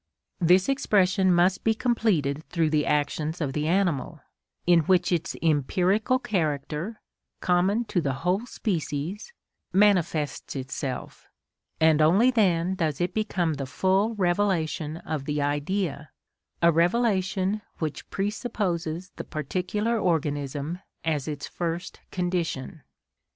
This expression must be completed through the actions of the animal, in which its empirical character, common to the whole species, manifests itself, and only then does it become the full revelation of the Idea, a revelation which presupposes the particular organism as its first condition.